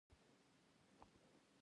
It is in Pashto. د اوړو مخ په شیدو نرموي د پخولو دمخه.